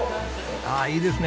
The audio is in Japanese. ああいいですね。